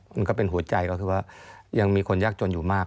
มันก็เป็นหัวใจก็คือว่ายังมีคนยากจนอยู่มาก